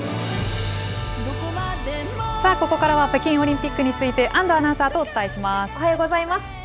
ここからは北京オリンピックについて、安藤アナウンサーとおおはようございます。